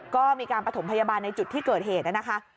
ก็มีการประถมพยาบาลในจุดที่เกิดเหตุนะคะ